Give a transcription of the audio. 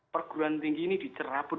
perguruan tinggi ini dicerabut